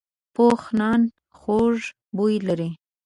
پوخ نان خوږ بوی لري